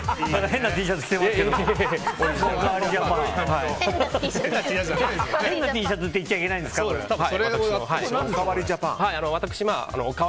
変なＴシャツって言っちゃいけないんですか。